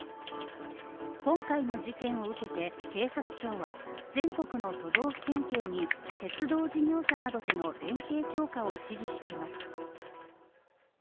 今回の事件を受けて、警察庁は全国の都道府県警に鉄道事業者などとの連携強化を指示しています。